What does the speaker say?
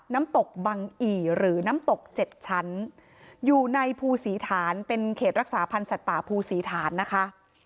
น้ำตกบังอีหรือน้ำตก๗ชั้นอยู่ในภูศรีฐานเป็นเขตรักษาพันธ์สัตว์ป่าภูศรีฐานนะคะ